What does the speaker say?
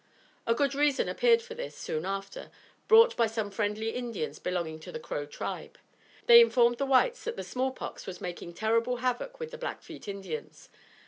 A good reason appeared for this, soon after, brought by some friendly Indians belonging to the Crow Tribe. They informed the whites that the small pox was making terrible havoc with the Blackfeet Indians.